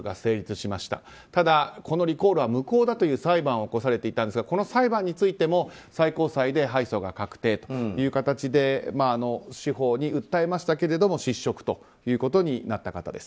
しかし、このリコールは無効だという裁判を起こされていたんですがこの裁判についても最高裁で敗訴が確定という形で司法に訴えましたけれども失職ということになった方です。